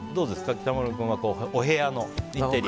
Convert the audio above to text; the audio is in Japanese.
北村君はお部屋のインテリア。